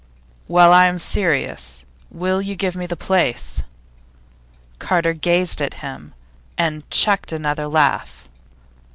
'Well, I am serious. Will you give me the place?' Carter gazed at him, and checked another laugh.